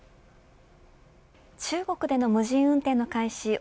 中国での無人運転の開始